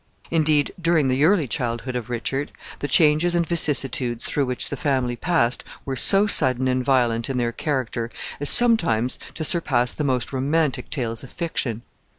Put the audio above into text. Indeed, during the early childhood of Richard, the changes and vicissitudes through which the family passed were so sudden and violent in their character as sometimes to surpass the most romantic tales of fiction.